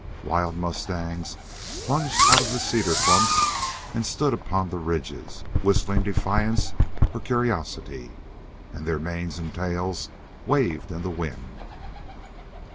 Wild mustangs plunged out of the cedar clumps and stood upon the ridges, whistling defiance or curiosity, and their manes and tails waved in the wind.